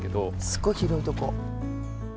すっごい広いとこ。